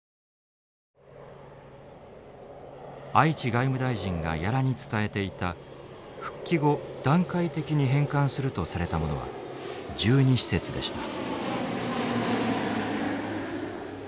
愛知外務大臣が屋良に伝えていた復帰後段階的に返還するとされたものは１２施設でした。